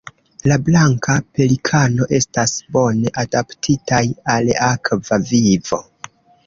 La Blanka pelikano estas bone adaptitaj al akva vivo.